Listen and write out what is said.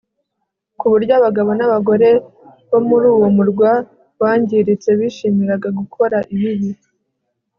ku buryo abagabo n'abagore bo muri uwo murwa wangiritse bishimiraga gukora ibibi